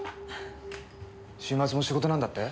週末も仕事なんだって？